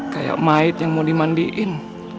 kayak maid yang mau dimandiin